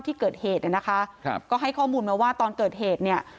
ที่เกิดเหตุเนี่ยนะคะครับก็ให้ข้อมูลมาว่าตอนเกิดเหตุเนี่ย